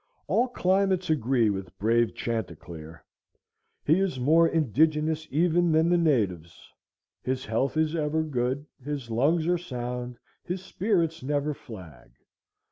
All climates agree with brave Chanticleer. He is more indigenous even than the natives. His health is ever good, his lungs are sound, his spirits never flag.